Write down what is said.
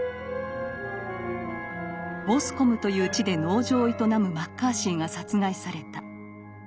ボスコムという地で農場を営むマッカーシーが殺害された。